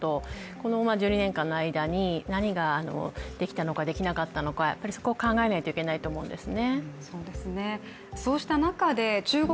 この１２年間の間に何ができたのか、できなかったのか、そこを考えないといけないと思います。